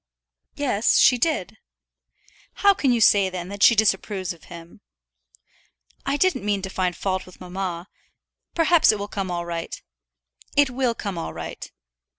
"Yes, she did." "How can you say, then, that she disapproves of him?" "I didn't mean to find fault with mamma. Perhaps it will come all right." "It will come all right."